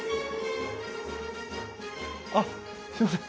あっすいません。